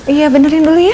iya benerin dulu ya